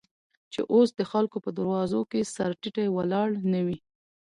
چې اوس دخلکو په دروازو، کې سر تيټى ولاړ نه وې.